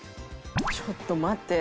ちょっと待って。